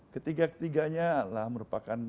ketiga ketiganya adalah merupakan